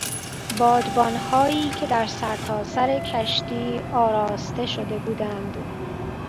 بادبانهایی که در سرتاسر کشتی آراسته شده بودند.